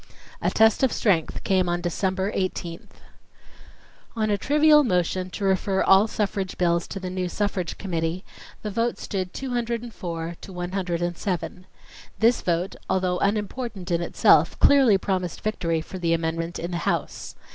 A test of strength came on December 18th. On a trivial motion to refer all suffrage bills to the new suffrage committee, the vote stood 204 to 107. This vote, although unimportant in itself, clearly promised victory for the amendment in the House.